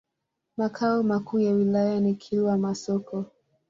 Makao makuu ya wilaya ni Kilwa Masoko.